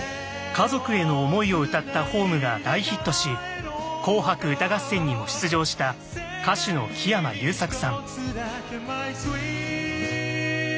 家族への思いを歌った「ｈｏｍｅ」が大ヒットし「紅白歌合戦」にも出場した歌手の木山裕策さん。